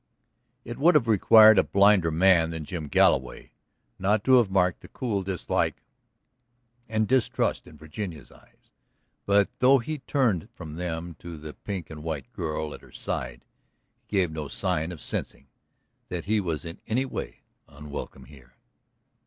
It would have required a blinder man than Jim Galloway not to have marked the cool dislike and distrust in Virginia's eyes. But, though he turned from them to the pink and white girl at her side, he gave no sign of sensing that he was in any way unwelcome here.